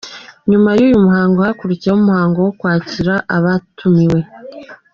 Nyuma y’uyu muhango hakurikiriyeho umuhango wo kwakira abatumiwe.